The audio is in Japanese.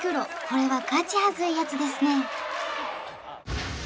これはガチ恥ずいやつですね